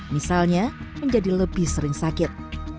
misalnya menjadi lebih sering sakit